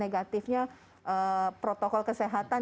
negatifnya protokol kesehatan